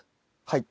はい。